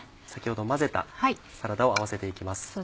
先ほど混ぜたサラダを合わせて行きます。